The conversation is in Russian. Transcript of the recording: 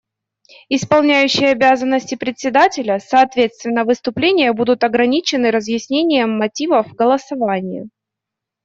Исполняющий обязанности Председателя: Соответственно, выступления будут ограничены разъяснением мотивов голосования.